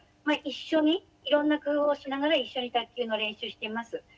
まあ一緒にいろんな工夫をしながら一緒に卓球の練習してます。